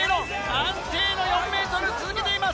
安定の４ｍ続けています。